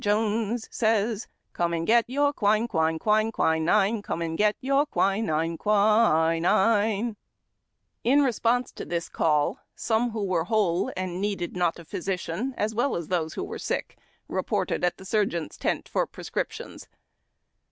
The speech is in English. Jones says: Come and get your quin, quin, quin, quuune, Come and get your quinine, Q u i n i n e !!! A DAY IN CAMP. 173 In response to this call, some who were whole and needed not a physician, as well as those who were sick reported at the surgeon's tent for prescriptions.